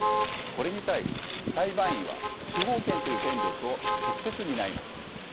これに対し裁判員は司法権という権力を直接担います。